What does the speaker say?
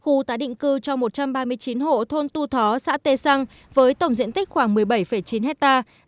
khu tái định cư cho một trăm ba mươi chín hộ thôn tu thó xã tê săng với tổng diện tích khoảng một mươi bảy chín hectare